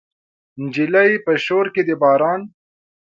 نجلۍ په شور کې د باران